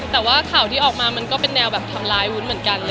แต่ว่าข่าวที่ออกมามันก็เป็นแนวแบบทำร้ายวุ้นเหมือนกัน